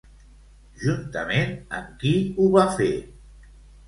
Juntament amb qui ho va fer?